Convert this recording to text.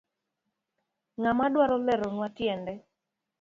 Ngama dwaro leronwa tiende.